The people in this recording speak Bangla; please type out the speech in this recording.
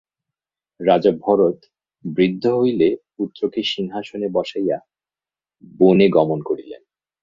রাজা ভরত বৃদ্ধ হইলে পুত্রকে সিংহাসনে বসাইয়া বনে গমন করিলেন।